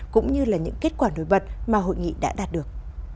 cũng như là những kết quả nổi bật mà hội nghị đã đạt được